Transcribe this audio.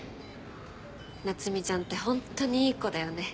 夏海ちゃんってホントにいい子だよね。